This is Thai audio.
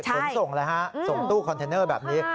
ขนส่งเลยฮะส่งตู้คอนเทนเนอร์แบบนี้